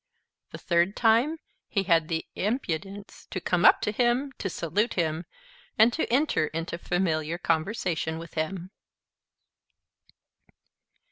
The third time, he had the impudence to come up to him, to salute him, and to enter into familiar conversation with him.